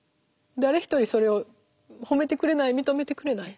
誰一人それを褒めてくれない認めてくれない。